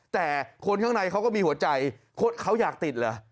แต่คนข้างในเขาก็มีหัวใจเขาอยากติดเหรอ